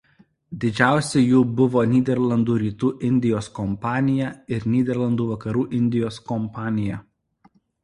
Didžiausia jų buvo Nyderlandų Rytų Indijos kompanija ir Nyderlandų Vakarų Indijos kompanija.